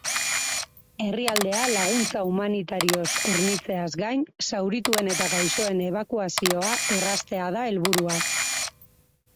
Herrialdea laguntza humanitarioz hornitzeaz gain, zaurituen eta gaixoen ebakuazioa erraztea da helburua.